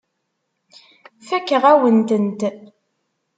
Fakeɣ-awen-tent.